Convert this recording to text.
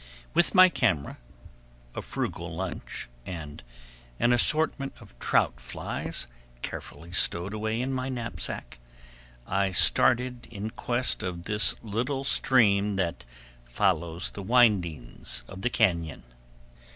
With my camera, a frugal lunch, and an assortment of trout flies carefully stowed away in my knapsack, I started in quest of this little stream that follows the windings of the cañon.